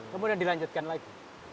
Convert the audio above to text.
kemudian dilanjutkan lagi